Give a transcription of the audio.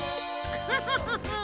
ウフフフフ。